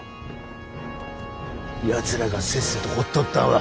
やつらがせっせと掘っとったんは。